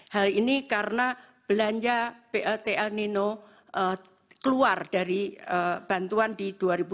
hal ini karena belanja plt el nino keluar dari bantuan di dua ribu dua puluh